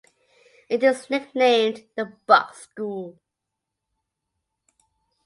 It is nicknamed the "Bug School".